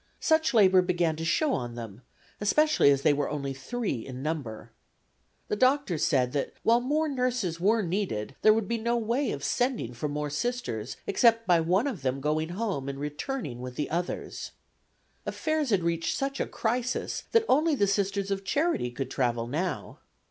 Such labor began to show on them, especially as they were only three in number. The doctors said that while more nurses were needed there would be no way of sending for more Sisters except by one of them going home and returning with the others. Affairs had reached such a crisis that only the Sisters of Charity could travel now.